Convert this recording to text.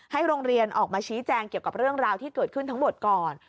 โรงเรียนออกมาชี้แจงเกี่ยวกับเรื่องราวที่เกิดขึ้นทั้งหมดก่อน